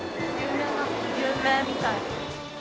有名みたい。